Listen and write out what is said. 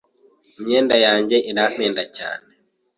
Imyenda yanjye irampenda cyane